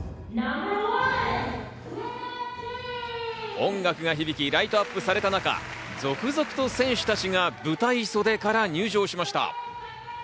音楽が響き、ライトアップされた中、続々と選手たちが舞台袖から入場しました。